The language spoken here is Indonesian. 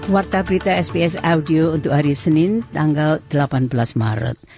warta berita sps audio untuk hari senin tanggal delapan belas maret